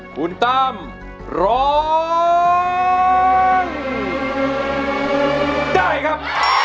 คุณตั้มร้องได้ครับ